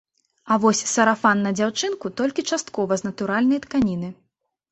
А вось сарафан на дзяўчынку толькі часткова з натуральнай тканіны.